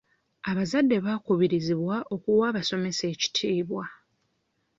Abazadde bakubirizibwa okuwa abasomesa ekitiibwa.